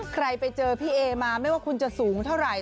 ใครไปเจอพี่เอมาไม่ว่าคุณจะสูงเท่าไหร่